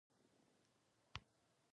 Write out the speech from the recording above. جومات کې مې یو دوه رکعته نفل وکړل.